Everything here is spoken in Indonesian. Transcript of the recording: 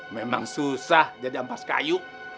memang susah jadi ampas kayu